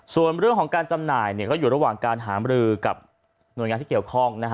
ส่วนเรื่องของการจำหน่ายก็อยู่ระหว่างการหามรือกับหน่วยงานที่เกี่ยวข้อง